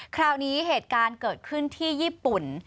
คราวนี้เหตุการณ์เกิดขึ้นที่ญี่ปุ่น